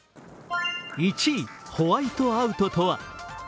１位、ホワイトアウトとは。